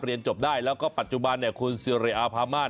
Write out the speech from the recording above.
เรียนจบได้แล้วก็ปัจจุบันเนี่ยคุณสิริอาภามาศ